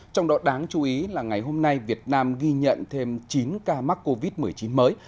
trong đó đáng chú ý là ngày hôm nay việt nam ghi nhận thêm chín ca mắc covid một mươi chín mới